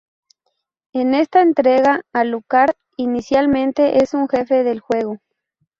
En esta entrega Alucard inicialmente es un jefe del juego.